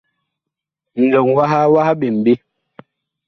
Ŋlɔŋ waha wah ɓem ɓe.